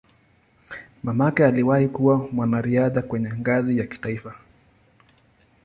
Mamake aliwahi kuwa mwanariadha kwenye ngazi ya kitaifa.